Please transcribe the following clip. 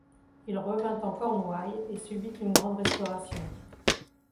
Il revint en Cornouailles et subit une grande restauration.